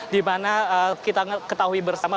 di mana kita ketahui bersama